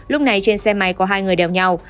lúc này trên xe máy có hai người đeo nhau